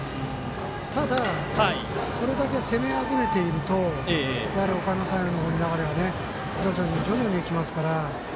ただ、これだけ攻めあぐねているとやはり、おかやま山陽の方に流れが徐々に徐々にきますから。